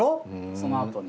そのあとに。